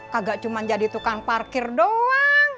kagak cuma jadi tukang parkir doang